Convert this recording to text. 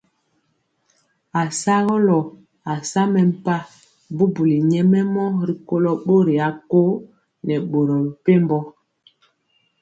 Asagɔlɔ asa mempa bubuli nyɛmemɔ rikolo bori akõ nɛ boro mepempɔ.